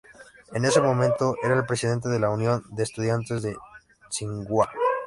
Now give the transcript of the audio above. En ese momento era el Presidente de la Unión de Estudiantes de Tsinghua.